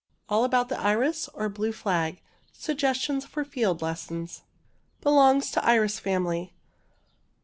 ALL ABOUT THE IRIS, OR BLUE FLAG SUGGESTIONS FOR FIELD LESSONS Belongs to iris family.